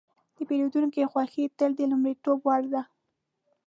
د پیرودونکي خوښي تل د لومړیتوب وړ ده.